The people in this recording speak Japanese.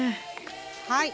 はい。